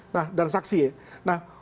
nah dan saksi ya